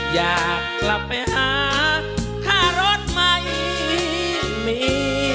อยากกลับไปหาค่ารถไม่มี